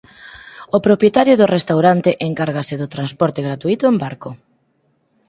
O propietario do restaurante encárgase do transporte gratuíto en barco.